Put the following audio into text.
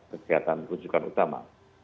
kesehatan peruncukan utama